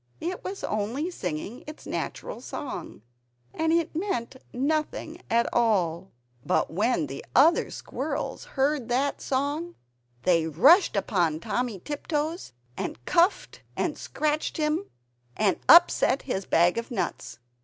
It was only singing its natural song, and it meant nothing at all. But when the other squirrels heard that song, they rushed upon Timmy Tiptoes and cuffed and scratched him, and upset his bag of nuts.